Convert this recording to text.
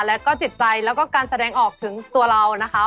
แล้วก็จิตใจแล้วก็การแสดงออกถึงตัวเรานะคะ